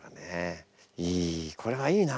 いいこれはいいな。